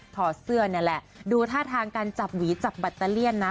ถอดเสื้อนี่แหละดูท่าทางการจับหวีจับแบตเตอเลี่ยนนะ